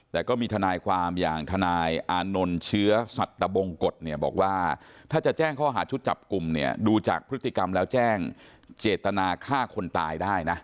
แต่ก็มีทนายความอย่างทนายอานนท์เชื้อสัตบงกฎเนี่ยบอกว่าถ้าจะแจ้งข้อหาชุดจับกลุ่มเนี่ยดูจากพฤติกรรมแล้วแจ้งเจตนาฆ่าคนตายได้นะ